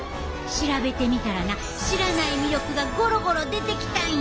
調べてみたらな知らない魅力がゴロゴロ出てきたんよ！